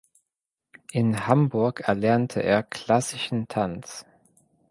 In Hamburg erlernte er klassischen Tanz.